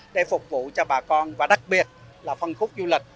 để phục vụ cho bà con và đặc biệt là phân khúc du lịch